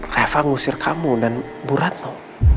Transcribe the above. reva ngusir kamu dan bu retno